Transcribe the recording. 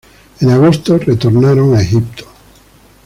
En agosto retornaron a Egipto.